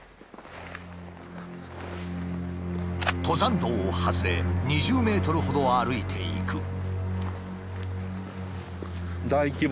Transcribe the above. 登山道を外れ２０ｍほど歩いていく。